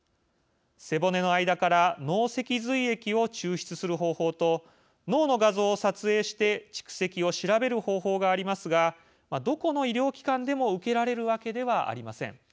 背骨の間から脳脊髄液を抽出する方法と脳の画像を撮影して蓄積を調べる方法がありますがどこの医療機関でも受けられるわけではありません。